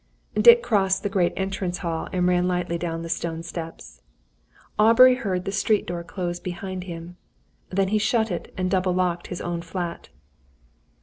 Dick crossed the great entrance hall, and ran lightly down the stone steps. Aubrey heard the street door close behind him. Then he shut and double locked his own flat.